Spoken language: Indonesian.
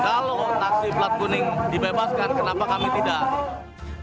kalau taksi plat kuning dibebaskan kenapa kami tidak